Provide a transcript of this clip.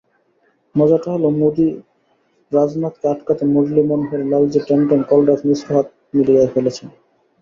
মজাটা হলো, মোদি-রাজনাথকে আটকাতে মুরলী মনোহর-লালজি ট্যান্ডন-কলরাজ মিশ্র হাত মিলিয়ে ফেলেছেন।